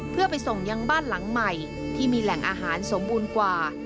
เพื่อไปส่งยังบ้านหลังใหม่ที่มีแหล่งอาหารสมบูรณ์กว่า